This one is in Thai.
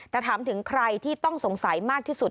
แต่ถามถึงใครที่ต้องสงสัยมากที่สุด